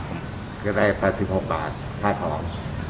ก็ได้๓๖บาทค่าขอม